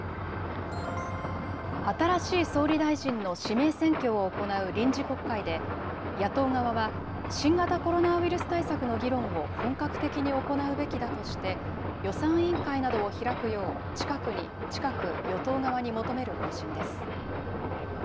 新しい総理大臣の指名選挙を行う臨時国会で、野党側は新型コロナウイルス対策の議論を本格的に行うべきだとして、予算委員会などを開くよう、近く、与党側に求める方針です。